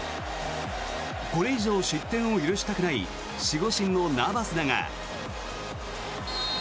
これ以上、失点を許したくない守護神のナバスだが。